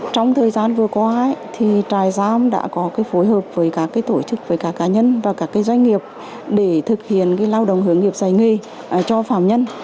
trong thời gian vừa qua trại giam đã có phối hợp với các tổ chức với các cá nhân và các doanh nghiệp để thực hiện lao động hướng nghiệp giải nghề cho phạm nhân